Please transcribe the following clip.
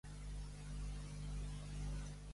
I què ha assegurat a continuació Colau?